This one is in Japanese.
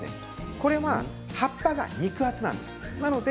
これは葉っぱが肉厚なんです。